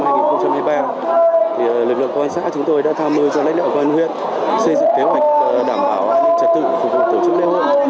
thì lực lượng công an xã chúng tôi đã tham mưu cho lãnh đạo công an huyện xây dựng kế hoạch đảm bảo an ninh trả tự phục vụ tổ chức lễ hội